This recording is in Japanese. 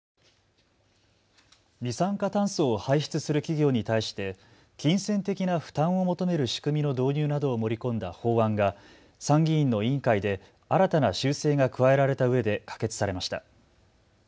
二酸化炭素を排出する企業に対して金銭的な負担を求める仕組みの導入などを盛り込んだ法案が参議院の委員会で新たな修正が加えられたうえで可決されました。